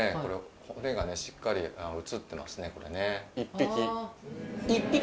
骨がねしっかり写ってますねこれね。